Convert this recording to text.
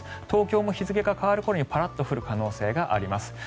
東京も日付が変わる頃にパラッと降る可能性があります。